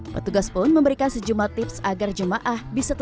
petugas pun memberikan sejumlah tips agar jemaah haji ramah lansia bisa berjaya